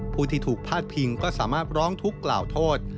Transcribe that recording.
ผู้ที่ถูกพาดพิงก็สามารถร้องทุกข์กล่าวโทษ